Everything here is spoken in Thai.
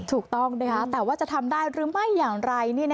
ถูกต้องแต่ว่าจะทำได้หรือไม่อย่างไร